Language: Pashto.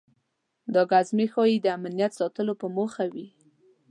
دا ګزمې ښایي د امنیت ساتلو په موخه وي.